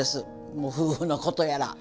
もう夫婦のことやら。